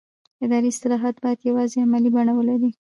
اداري اصلاحات باید یوازې عملي بڼه ولري